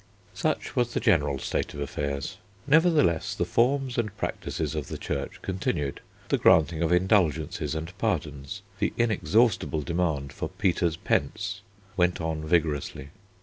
Such was the general state of affairs. Nevertheless the forms and practices of the Church continued. The granting of indulgences and pardons, the inexhaustible demand for Peter's pence, went on vigorously.